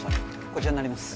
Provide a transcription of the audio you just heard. こちらになります